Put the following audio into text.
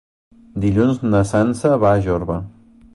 Dilluns na Sança va a Jorba.